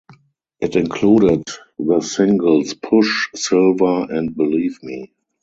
It included the singles "Push", "Silver" and "Believe Me".